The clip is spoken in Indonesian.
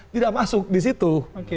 tidak masuk disitu